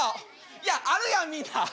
いやあるやんみんな。